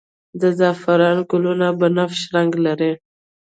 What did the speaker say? د زعفران ګلونه بنفش رنګ لري